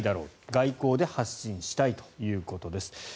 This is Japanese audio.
外交で発信したいということです。